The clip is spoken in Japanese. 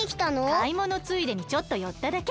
かいものついでにちょっとよっただけ。